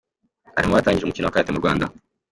Ari mu batangije umukino wa Karate mu Rwanda.